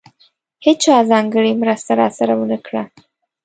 هېچا ځانګړې مرسته راسره ونه کړه.